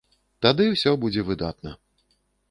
Тады ўсё будзе выдатна.